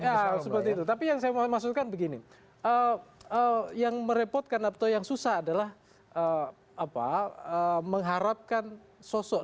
ya seperti itu tapi yang saya mau maksudkan begini yang merepotkan atau yang susah adalah mengharapkan sosok